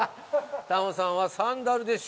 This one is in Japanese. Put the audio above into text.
タモリさんはサンダルで勝負。